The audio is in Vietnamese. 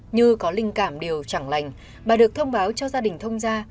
như có linh cảm điều chẳng lành bà được thông báo cho gia đình thông ra